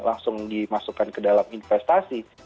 langsung dimasukkan ke dalam investasi